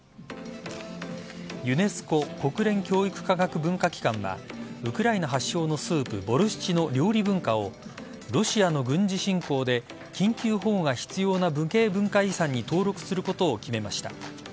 ユネスコ＝国連教育科学文化機関はウクライナ発祥のスープボルシチの料理文化をロシアの軍事侵攻で緊急保護が必要な無形文化遺産に登録することを決めました。